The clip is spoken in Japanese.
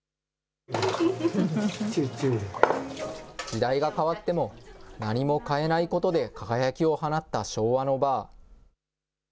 時代が変わっても、何も変えないことで輝きを放った昭和のバー。